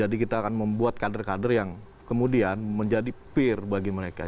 jadi kita akan membuat kader kader yang kemudian menjadi peer bagi mereka